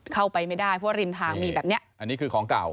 เข้าไปไม่ได้เพราะริมทางมีแบบเนี้ยอันนี้คือของเก่า